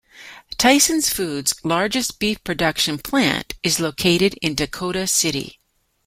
Tyson Foods' largest beef production plant is located in Dakota City.